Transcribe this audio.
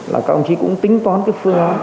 là các ông chí cũng tính toán cái phương án